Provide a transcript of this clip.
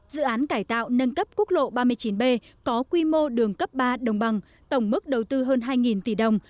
dự án cải tạo nâng cấp quốc lộ ba mươi chín b có quy mô đường cấp ba đồng bằng tổng mức đầu tư hơn hai tỷ đồng